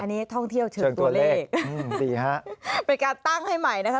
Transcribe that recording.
อันนี้ท่องเที่ยวเชิงตัวเลขอืมดีฮะเป็นการตั้งให้ใหม่นะคะ